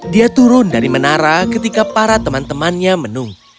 dia turun dari menara ketika para teman temannya menunggu